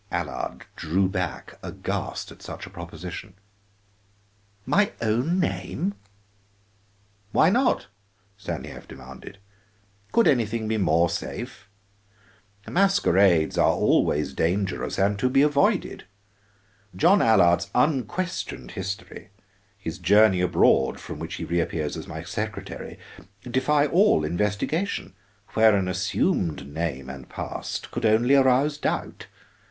Allard drew back aghast at such a proposition. "My own name " "Why not?" Stanief demanded. "Could anything be more safe? Masquerades are always dangerous and to be avoided. John Allard's unquestioned history, his journey abroad from which he reappears as my secretary, defy all investigation, where an assumed name and past could only arouse doubt.